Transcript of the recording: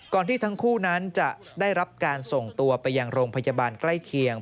ที่ทั้งคู่นั้นจะได้รับการส่งตัวไปยังโรงพยาบาลใกล้เคียง